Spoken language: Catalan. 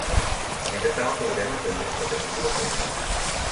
Mentrestant el teorema també es pot aplicar al patrimoni.